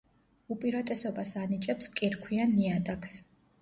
უპირატესობას ანიჭებს კირქვიან ნიადაგს.